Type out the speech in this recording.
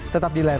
tetap di layar